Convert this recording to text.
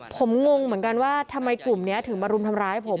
ผมงงเหมือนกันว่าทำไมกลุ่มนี้ถึงมารุมทำร้ายผม